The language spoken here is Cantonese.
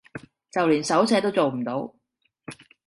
就連手寫都做唔到